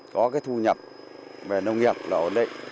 có cái thu nhập về nông nghiệp là ổn định